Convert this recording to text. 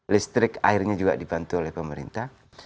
listrik airnya juga dibantu oleh pemerintah